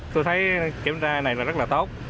tôi thấy kiểm tra này là rất là